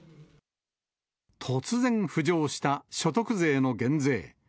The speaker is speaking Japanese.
突然浮上した所得税の減税。